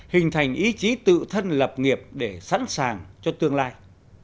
hình thành ý chí tự thân lập nghiệp để sẵn sàng cho tương lai